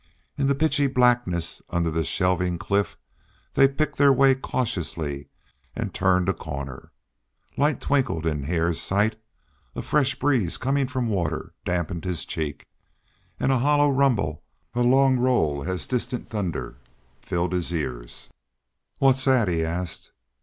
In the pitchy blackness under the shelving cliff they picked their way cautiously, and turned a corner. Lights twinkled in Hare's sight, a fresh breeze, coming from water, dampened his cheek, and a hollow rumble, a long roll as of distant thunder, filled his ears. "What's that?" he asked.